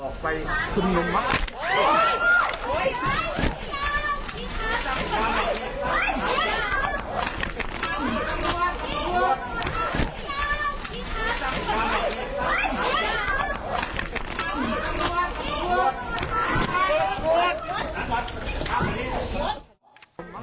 คุณหญิงว่ะ